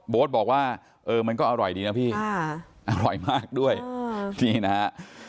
บอกว่าเออมันก็อร่อยดีนะพี่อร่อยมากด้วยนี่นะฮะ